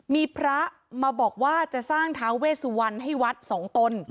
มีพระมาบอกว่าจะสร้างท้าเวสวันให้วัดสองตน